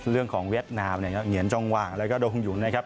เรื่องของเวียดนามเนี่ยเหงียนจองวางแล้วก็โดฮึงหยุนนะครับ